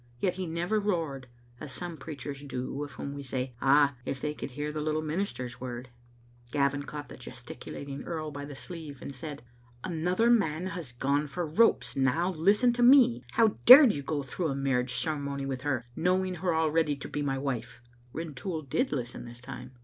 Yet he never roared, as some preachers do of whom we say, *^ Ah, if they could hear thfe Little Minister's word!" Gavin caught the gesticulating earl by tl^e sleev^ Digitized by VjOOQ IC Itafn Aiet tbe ^tiWB. 85ft tod said, Another man has gone for ropes. Now, listen to me ; how dared you go through a marriage cere* mony with her, knowing her already to be my wife?" Rintoul did listen this time.